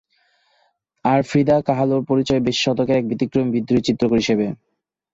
আর Frida কাহালোর পরিচয় বিশ শতকের এক ব্যতিক্রমী, বিদ্রোহী চিত্রকর হিসেবে।